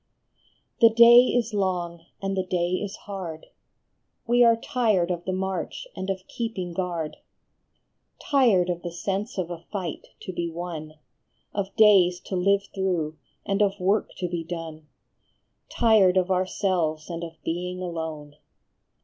HE day is long, and the day is hard ; We are tired of the march and of keeping guard, Tired of the sense of a fight to be won, Of days to live through and of work to be done, Tired of ourselves and of being alone.